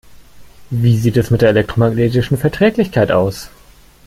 Wie sieht es mit der elektromagnetischen Verträglichkeit aus?